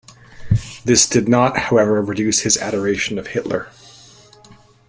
This did not, however, reduce his adoration of Hitler.